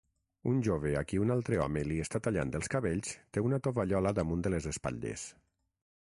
Un jove a qui un altre home li està tallant els cabells té una tovallola damunt de les espatlles.